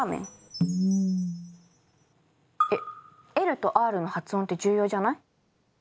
ＬとＲの発音って重要じゃない？